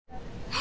あ！